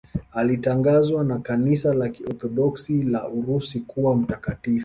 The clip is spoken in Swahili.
Alitangazwa na Kanisa la Kiorthodoksi la Urusi kuwa mtakatifu.